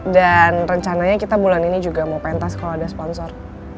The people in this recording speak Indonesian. dan rencananya kita bulan ini juga mau pentas kalau ada sponsor